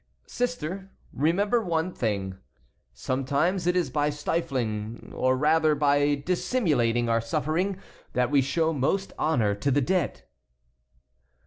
"Sister, remember one thing: sometimes it is by stifling or rather by dissimulating our suffering that we show most honor to the dead."